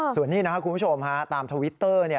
ส่วนนี้นะครับคุณผู้ชมตามทวิตเตอร์